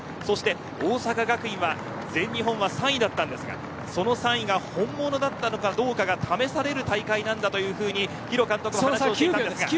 大阪学院が全日本は３位だったんですがその３位が本物だったかどうかが試される大会なんだと監督は話していました。